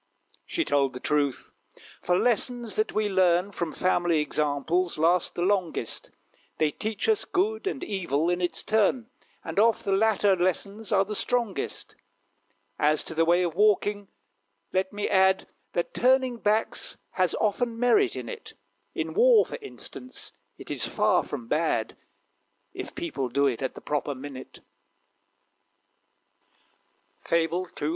She told the truth for lessons that we learn From family examples last the longest. They teach us good and evil, in its turn; And oft the latter lessons are the strongest. As to the way of walking, let me add, That turning backs has often merit in it In war, for instance, it is far from bad, If people do it at the proper minute. FABLE CCXXVI.